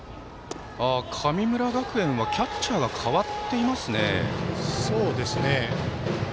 神村学園はキャッチャーが代わっていますね。